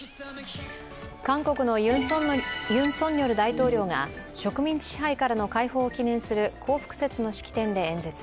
韓国のユン・ソンニョル大統領が植民地支配からの解放を記念する光復節の式典で演説。